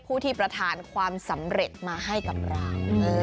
ที่ประธานความสำเร็จมาให้กับเรา